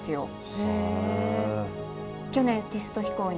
へえ！